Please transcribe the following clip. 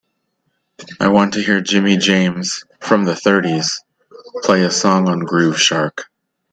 I want to hear Jimmy James from the thirties, play a song on Groove Shark.